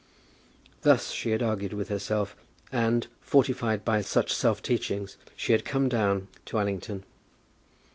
Thus she had argued with herself, and, fortified by such self teachings, she had come down to Allington.